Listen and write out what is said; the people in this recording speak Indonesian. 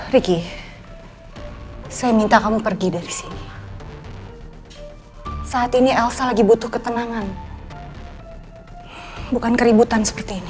ricky saya minta kamu pergi dari sini saat ini elsa lagi butuh ketenangan bukan keributan seperti ini